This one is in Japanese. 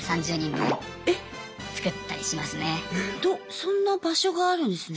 そんな場所があるんですね。